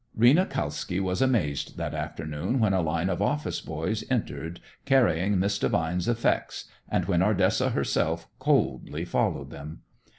Rena Kalski was amazed that afternoon when a line of office boys entered, carrying Miss Devine's effects, and when Ardessa herself coldly followed them.